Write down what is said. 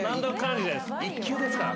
１級ですから。